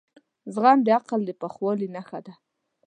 زغم د عقل د پخوالي نښه ده.